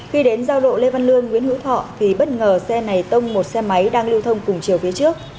khi đến giao lộ lê văn lương nguyễn hữu thọ thì bất ngờ xe này tông một xe máy đang lưu thông cùng chiều phía trước